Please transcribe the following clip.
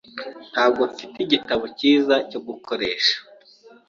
Ntabwo mfite igitabo cyiza cyo gukoresha.